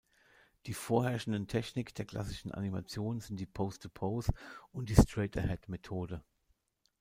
Die vorherrschenden Techniken der klassischen Animation sind die "Pose-to-Pose" und die "Straight Ahead"-Methode.